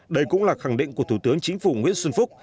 đây cũng là khẳng định của thủ tướng chính phủ nguyễn xuân phúc